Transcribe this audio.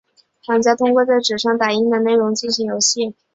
玩家通过在纸上打印的内容进行游戏。